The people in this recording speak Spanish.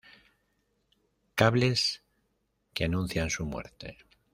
Cables que anuncian su muerte.